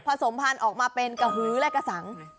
สมพันธุ์ออกมาเป็นกระหูและกระสัง